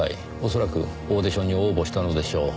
恐らくオーディションに応募したのでしょう。